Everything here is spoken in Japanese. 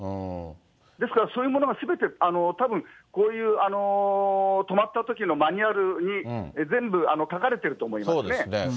ですからそういうものがすべてたぶん、こういう止まったときのマニュアルに全部書かれていると思いますそうですね。